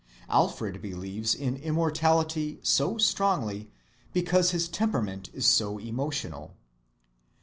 Alfred believes in immortality so strongly because his temperament is so emotional.